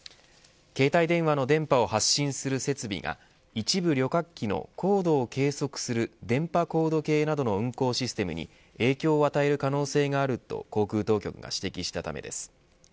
携帯電話の電波を発信する設備が一部旅客機の高度を計測する電波高度計などの運行システムに影響を与える可能性があると航空当局が指摘したためです。